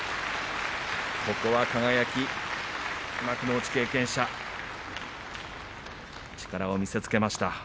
ここは輝、幕内経験者力を見せつけました。